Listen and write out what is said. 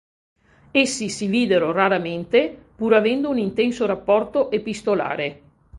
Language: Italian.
Essi si videro raramente, pur avendo un intenso rapporto epistolare.